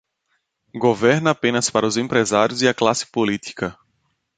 Governa apenas para os empresários e a classe política